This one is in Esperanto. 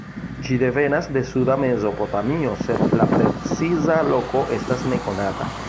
Ĝi devenas de suda Mezopotamio, sed la preciza loko estas nekonata.